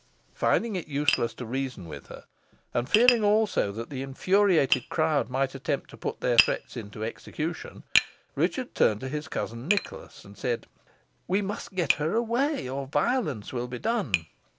Finding it useless to reason with her, and fearing also that the infuriated crowd might attempt to put their threats into execution, Richard turned to his cousin Nicholas, and said: "We must get her away, or violence will be done."